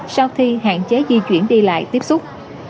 sau khi hạn chế di chuyển đi lại tiếp xúc